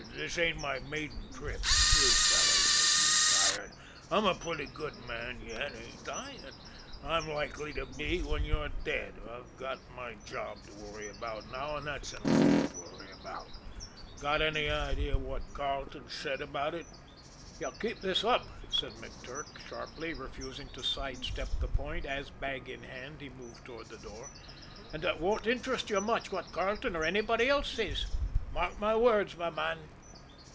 This ain't my maiden trip. You fellows make me tired! I'm a pretty good man yet, ain't I? And I'm likely to be when you're dead. I've got my job to worry about now, and that's enough to worry about. Got any idea of what Carleton's said about it?" "You keep this up," said McTurk sharply, refusing to sidestep the point, as, bag in hand, he moved toward the door, "and it won't interest you much what Carleton or anybody else says mark my words, my man."